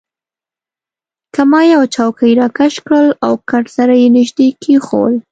ما یوه چوکۍ راکش کړل او کټ سره يې نژدې کښېښوول.